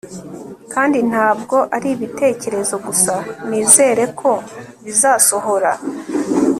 Kandi ntabwo ari ibitekerezo gusa nizere ko bizasohora